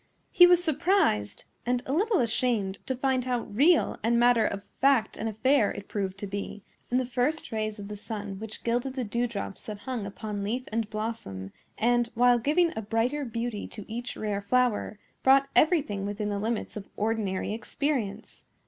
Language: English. He was surprised and a little ashamed to find how real and matter of fact an affair it proved to be, in the first rays of the sun which gilded the dew drops that hung upon leaf and blossom, and, while giving a brighter beauty to each rare flower, brought everything within the limits of ordinary experience.